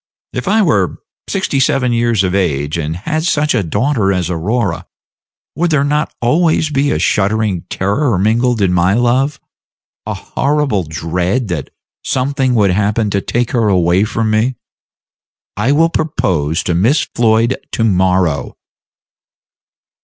If I were sixty seven years of age, and had such a daughter as Aurora, would there not always be a shuddering terror mingled with my love a horrible dread that something would happen to take her away from me? I will propose to Miss Floyd to morrow."